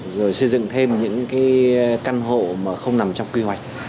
rồi xây dựng thêm những căn hộ mà không nằm trong quy hoạch